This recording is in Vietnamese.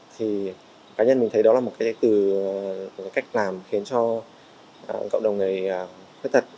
thì cá nhân mình thấy đó là một cái cách làm khiến cho cộng đồng người khuyết tật